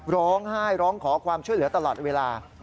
ร้องไห้ร้องขอความช่วยเหลือตลอดเวลา